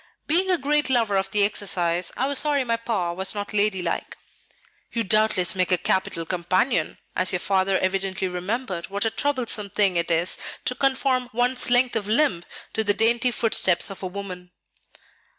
Being a great lover of the exercise, I was sorry my pas was not ladylike." "You doubtless make a capital companion, as your father evidently remembered what a troublesome thing it is to conform one's length of limb to the dainty footsteps of a woman."